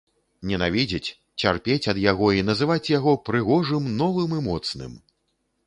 Ненавідзець, цярпець ад яго і называць яго прыгожым, новым і моцным!